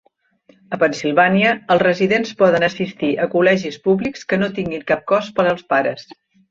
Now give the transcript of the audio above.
A Pennsilvània, els residents poden assistir a col·legis públics que no tinguin cap cost per als pares.